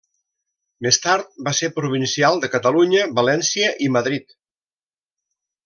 Més tard va ser provincial de Catalunya, València i Madrid.